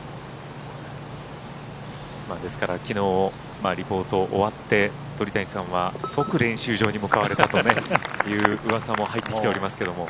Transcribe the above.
ですからきのう、リポート終わって鳥谷さんは即練習場に向かわれたという噂も入ってきておりますけれども。